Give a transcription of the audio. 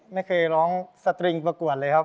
ไม่เคยร้องสตริงประกวดเลยครับ